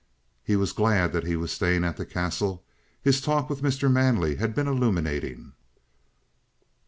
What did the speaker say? He was glad that he was staying at the Castle. His talk with Mr. Manley had been illuminating.